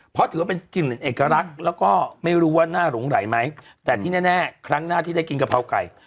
เพราะถือว่าเป็นกลิ่นเอกลักษณ์แล้วก็ไม่รู้ว่าหน้าหลงไหลไหมแต่ที่แน่ครั้งหน้าที่ได้กินกะเพราไก่